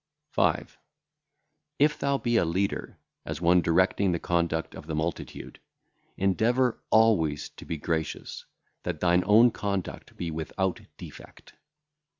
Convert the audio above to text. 5. If thou be a leader, as one directing the conduct of the multitude, endeavour always to be gracious, that thine own conduct be without defect.